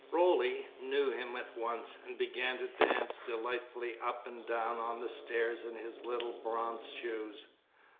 Roly knew him at once, and began to dance delightedly up and down on the stair in his little bronze shoes.